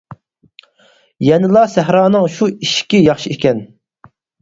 يەنىلا سەھرانىڭ شۇ ئىشىكى ياخشى ئىكەن.